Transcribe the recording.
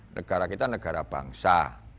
negara kita negara bangsa